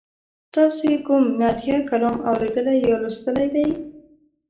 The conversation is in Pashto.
تاسې کوم نعتیه کلام اوریدلی یا لوستلی دی؟